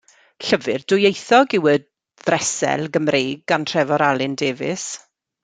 Llyfr dwyieithog yw Y Ddresel Gymreig gan Trefor Alun Davies.